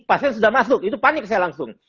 pasien sudah masuk itu panik saya langsung